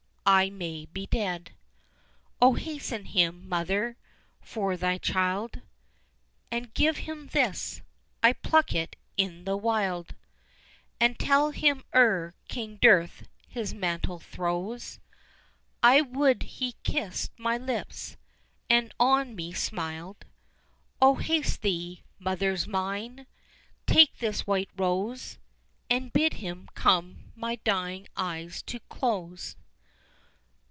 I may be dead. O hasten to him, mother, for thy child, And give him this, I plucked it in the wild, And tell him ere King Death his mantle throws I would he kissed my lips, and on me smiled. O haste thee, mother mine! take this white rose, And bid him come my dying eyes to close."